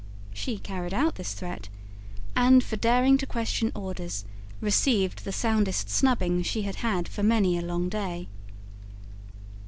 She carried out this threat, and, for daring to question orders, received the soundest snubbing she had had for many a long day.